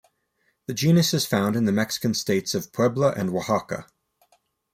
The genus is found in the Mexican states of Puebla and Oaxaca.